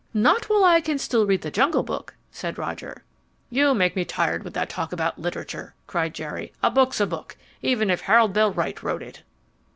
"Not while I can still read The Jungle Book," said Roger. "You make me tired with that talk about literature," cried Jerry. "A book's a book, even if Harold Bell Wright wrote it."